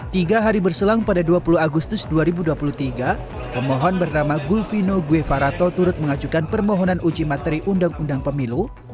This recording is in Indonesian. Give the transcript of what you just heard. tiga hari berselang pada dua puluh agustus dua ribu dua puluh tiga pemohon bernama gulvino gwefarato turut mengajukan permohonan uji materi undang undang pemilu